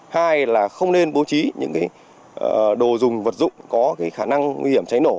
hai là không nên bố trí những đồ dùng vật dụng có khả năng nguy hiểm cháy nổ